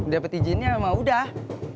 dapat izinnya emang udah